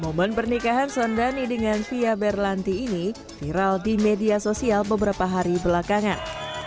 momen pernikahan sondani dengan fia berlanti ini viral di media sosial beberapa hari belakangan